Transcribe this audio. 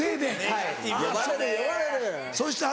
はい。